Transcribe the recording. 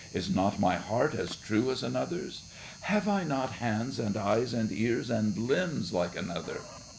Is not my heart as true as another's? Have I not hands and eyes and ears and limbs like another?